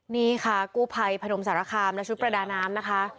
นี่ค่ะกู้ภัยพนมสารคามและชุดประดาน้ำนะคะ